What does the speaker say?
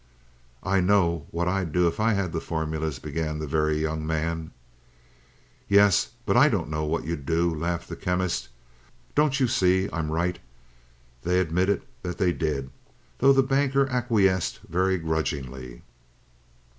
"I know what I'd do if I had the formulas," began the Very Young Man. "Yes, but I don't know what you'd do," laughed the Chemist. "Don't you see I'm right?" They admitted they did, though the Banker acquiesced very grudgingly.